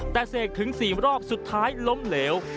แต่เสกถึง๔รอบสุดท้ายล้มเหลว